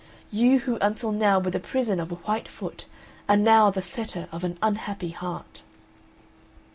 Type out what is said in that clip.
You who until now were the prison of a white foot are now the fetter of an unhappy heart!"